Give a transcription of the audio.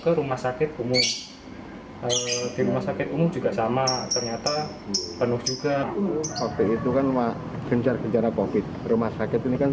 ke rumah sakit umum di rumah sakit umum juga sama ternyata penuh juga